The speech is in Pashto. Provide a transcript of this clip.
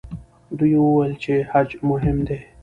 دوی وویل چې خج مهم دی.